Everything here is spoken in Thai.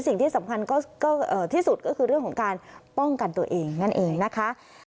สิ่งที่สำคัญก็ที่สุดก็คือเรื่องของการป้องกันตัวเองนั่นเองนะคะ